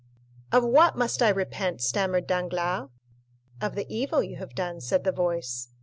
"Of what must I repent?" stammered Danglars. "Of the evil you have done," said the voice.